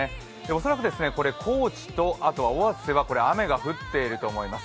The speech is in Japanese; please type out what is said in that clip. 恐らく高知と尾鷲は雨が降っていると思います。